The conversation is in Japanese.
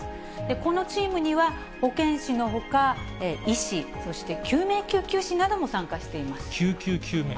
このチームには保健師のほか、医師、そして救命救急士なども参加しています。